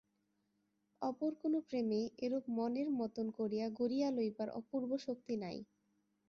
অপর কোন প্রেমেই এরূপ মনের মতন করিয়া গড়িয়া লইবার অপূর্ব শক্তি নাই।